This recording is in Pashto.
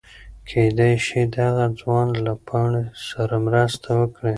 کېدی شي دغه ځوان له پاڼې سره مرسته وکړي.